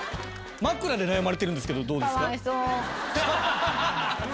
枕で悩まれてるんですけどどうですか？